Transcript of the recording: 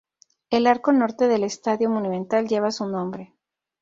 El arco norte del Estadio Monumental, lleva su nombre.